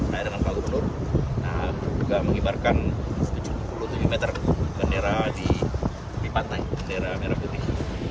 nah dengan pak gubernur nah juga mengibarkan tujuh puluh mm bendera di pantai bendera merah putih